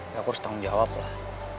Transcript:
ya aku harus tanggung jawab lah